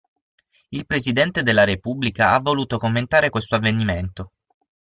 Il presidente della repubblica ha voluto commentare questo avvenimento.